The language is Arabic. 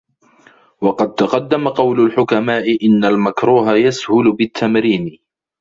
وَقَدْ تَقَدَّمَ قَوْلُ الْحُكَمَاءِ إنَّ الْمَكْرُوهَ يَسْهُلُ بِالتَّمْرِينِ